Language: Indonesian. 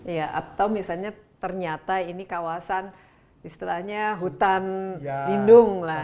ya atau misalnya ternyata ini kawasan istilahnya hutan lindung lah